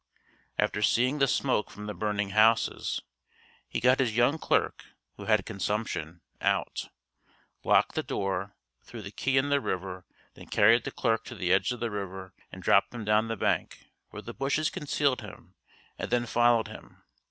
After seeing the smoke from the burning houses, he got his young clerk, who had consumption, out; locked the door, threw the key in the river; then carried the clerk to the edge of the river and dropped him down the bank where the bushes concealed him, and then followed him.